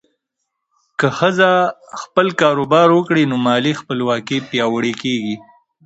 که ښځه خپل کاروبار وکړي، نو مالي خپلواکي پیاوړې کېږي.